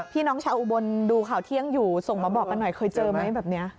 พี่น้องชาวอุบลดูข่าวเที่ยงอยู่ส่งมาบอกกันหน่อยเคยเจอไหมแบบนี้